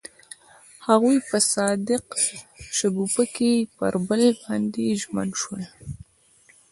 هغوی په صادق شګوفه کې پر بل باندې ژمن شول.